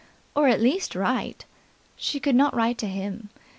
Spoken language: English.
Or at least write? She could not write to him.